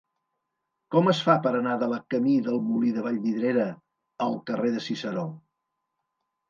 Com es fa per anar de la camí del Molí de Vallvidrera al carrer de Ciceró?